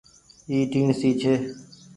اي ٽيڻسي ڇي۔